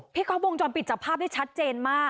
ก๊อฟวงจรปิดจับภาพได้ชัดเจนมาก